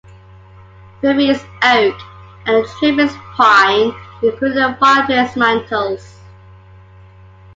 Framing is oak and the trim is pine, including fireplace mantels.